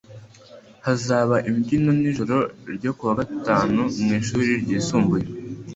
Hazaba imbyino nijoro ryo kuwa gatanu mwishuri ryisumbuye